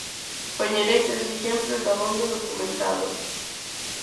Poñerei tres exemplos dabondo documentados.